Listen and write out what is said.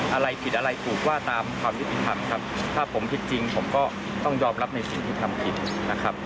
อะไรผิดอะไรถูกว่าตามความยุติธรรมครับถ้าผมผิดจริงผมก็ต้องยอมรับในสิ่งที่ทำผิดนะครับ